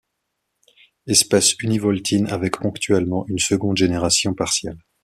Espèce univoltine, avec ponctuellement une seconde génération partielle.